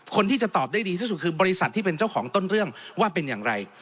คนที่จะตอบได้ดีที่สุดคือบริษัทที่เป็นเจ้าของต้นเรื่องว่าเป็นอย่างไร